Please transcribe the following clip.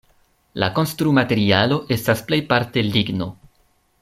La konstrumaterialo estas plejparte ligno.